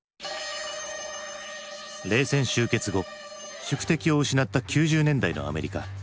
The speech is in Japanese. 冷戦終結後宿敵を失った９０年代のアメリカ。